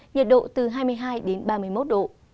nhiệt độ từ hai mươi hai đến ba mươi một độ